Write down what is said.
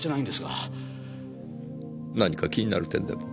何か気になる点でも？